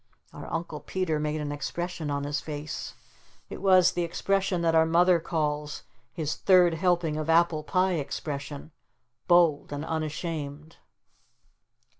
Our Uncle Peter made an expression on his face. It was the expression that our Mother calls his "Third Helping of Apple Pie Expression," bold and unashamed.